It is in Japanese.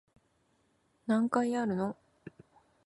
何回やるの